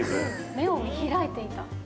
目を見開いていた。